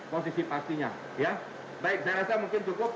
posisi pastinya ya baik saya rasa mungkin cukup